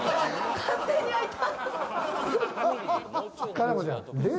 勝手に開いた。